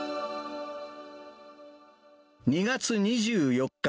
２月２４日。